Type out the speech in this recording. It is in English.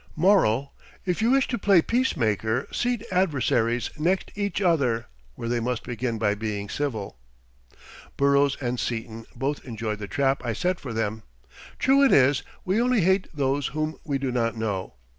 Moral: If you wish to play peace maker, seat adversaries next each other where they must begin by being civil. Burroughs and Seton both enjoyed the trap I set for them. True it is, we only hate those whom we do not know.